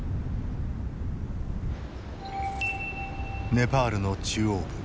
ネパールの中央部。